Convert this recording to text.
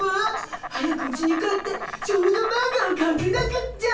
早くうちに帰って少女マンガをかかなくちゃ。